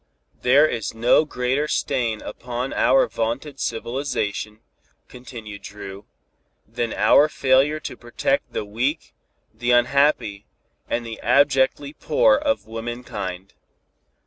There is no greater stain upon our vaunted civilization," continued Dru, "than our failure to protect the weak, the unhappy and the abjectly poor of womankind.